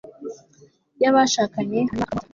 y'abashakanye, hanyuma akamuta